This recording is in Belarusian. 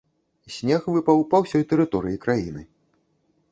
Снег выпаў па ўсёй тэрыторыі краіны.